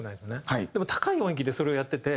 でも高い音域でそれをやってて。